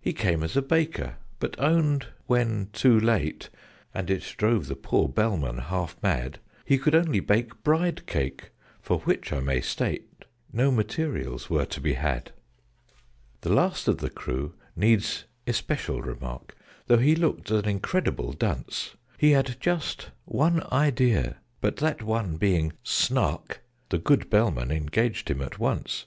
He came as a Baker: but owned, when too late And it drove the poor Bellman half mad He could only bake Bride cake for which, I may state, No materials were to be had. The last of the crew needs especial remark, Though he looked an incredible dunce: He had just one idea but, that one being "Snark," The good Bellman engaged him at once.